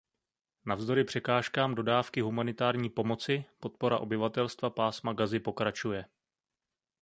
Navzdory překážkám dodávky humanitární pomoci, podpora obyvatelstva pásma Gazy pokračuje.